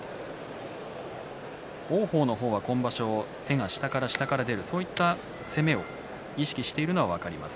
王鵬の方は今場所手が下から下から出る攻めを意識しているのは分かります。